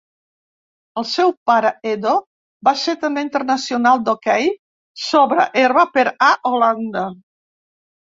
El seu pare Edo va ser també internacional d'hoquei sobre herba per a Holanda.